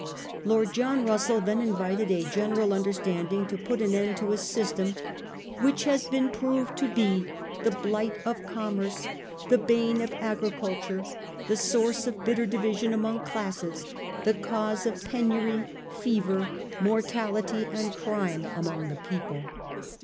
Lord John Rus sell then invited a general understanding, to put an end to a system ' which has been proved to he the blight of commerce, the bane of agriculture, the source of bitter division among classes, the cause of penury, fever, mortality and crime among the people.